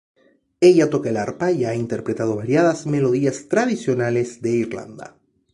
Ella toca el arpa y ha interpretado variadas melodías tradicionales de Irlanda.